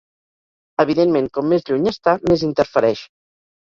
Evidentment, com més lluny està, més interfereix.